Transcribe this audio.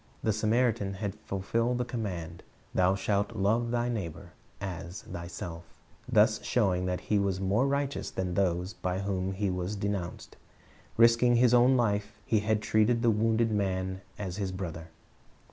The Samaritan had fijlfilled the command, "Thou shalt love thy neighbor as thyself," thus showing that he was more righteous than those by whom he was denounced. Risking his own life, he had treated the wounded man as his brother.